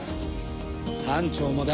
班長もだ。